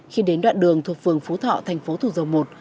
khi đến đoạn đường thuộc phường phú thọ tp thủ dầu một